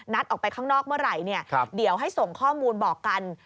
ออกไปข้างนอกเมื่อไหร่เดี๋ยวให้ส่งข้อมูลบอกกัน